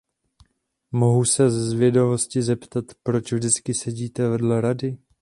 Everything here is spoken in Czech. Mohu se ze zvědavosti zeptat, proč vždycky sedíte vedle Rady?